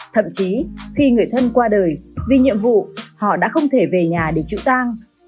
thậm chí khi người thân qua đời vì nhiệm vụ họ đã không thể về nhà để chịu tang